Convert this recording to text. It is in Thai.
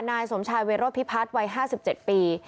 นายสมชายเวโรพิพัฒน์วัย๕๗ปี